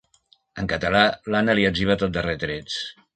En català, l'Anna li etziba tot de retrets.